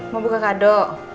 mau buka kado